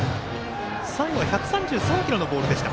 最後は１３３キロのボールでした。